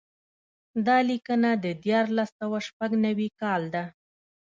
دا لیکنه د دیارلس سوه شپږ نوي کال ده.